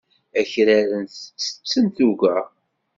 Akraren ttetten tuga.